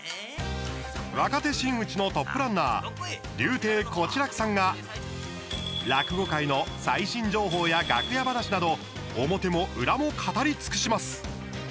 若手真打のトップランナー柳亭小痴楽さんが落語界の最新情報や楽屋ばなしなど表も裏も語り尽くします。